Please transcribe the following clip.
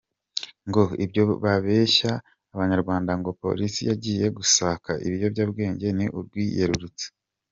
Ngo ibyo babeshya abanyarwanda ngo polisi yagiye gusaka ibiyobyabwenge ni urwiyerurutso.